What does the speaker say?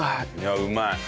うまい！